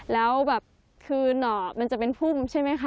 แล้วแบบคือหน่อมันจะเป็นพุ่มใช่ไหมคะ